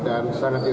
dan sangat penting